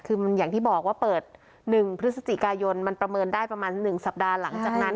คืออย่างที่บอกว่าเปิด๑พฤศจิกายนมันประเมินได้ประมาณ๑สัปดาห์หลังจากนั้น